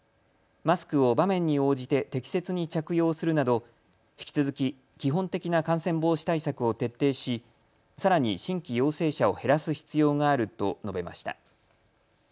マスクを場面に応じて適切に着用するなど、引き続き基本的な感染防止対策を徹底しさらに新規陽性者を減らす必要があると述べました。